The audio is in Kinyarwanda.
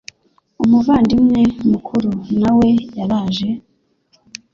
Umuvandimwe Mukuru nawe yaraje?